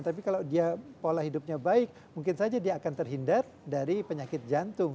tapi kalau dia pola hidupnya baik mungkin saja dia akan terhindar dari penyakit jantung